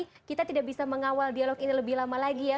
tapi kita tidak bisa mengawal dialog ini lebih lama lagi ya